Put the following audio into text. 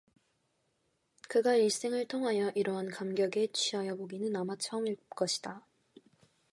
그가 일생을 통하여 이러한 감격에 취하여 보기는 아마 처음일 것이다.